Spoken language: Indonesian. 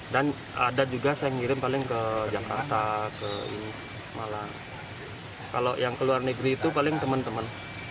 dan ada juga saya ngirim paling ke jakarta ke malang kalau yang keluar negeri itu paling teman teman